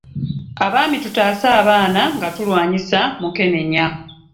Abaami tutaase abaana nga tulwayisa mukenenya.